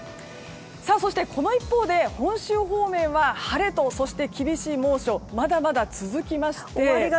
そして、この一方で本州方面は晴れとそして厳しい猛暑まだまだ続きまして。